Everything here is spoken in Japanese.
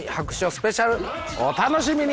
スペシャルお楽しみに。